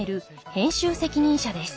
編集責任者です。